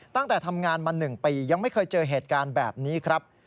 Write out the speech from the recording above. ตั้งแต่ทำงานมา๑ปียังไม่เคยเจอเหตุการณ์แบบนี้ครับ